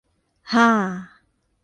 ฮ่า !